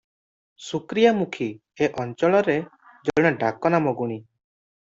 ଶୁକ୍ରିଆ ମୁଖୀ ଏ ଅଞ୍ଚଳରେ ଜଣେ ଡାକନାମ ଗୁଣୀ ।